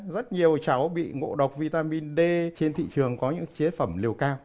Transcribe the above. rất nhiều cháu bị ngộ độc vitamin d trên thị trường có những chế phẩm liều cao